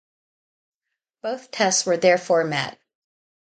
Both tests were therefore met.